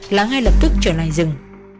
là ngay lập tức trở lại rừng